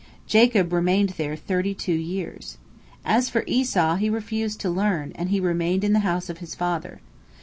Jacob remained there thirty two years. As for Esau, he refused to learn, and he remained in the house of his father.